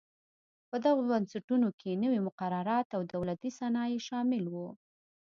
په دغو بنسټونو کې نوي مقررات او دولتي صنایع شامل و.